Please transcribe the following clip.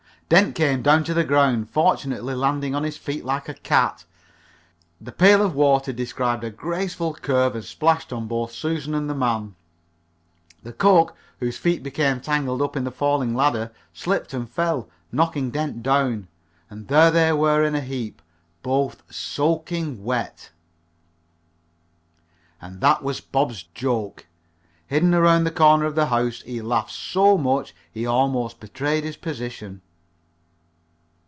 Dent came down to the ground, fortunately landing on his feet like a cat. The pail of water described a graceful curve and splashed on both Susan and the man. The cook, whose feet became tangled up in the falling ladder, slipped and fell, knocking Dent down, and there they were in a heap, both soaking wet. And that was Bob's "joke." Hidden around the corner of the house, he laughed so he almost betrayed his position.